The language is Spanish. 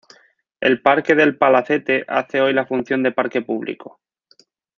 El parque del palacete hace hoy la función de parque público.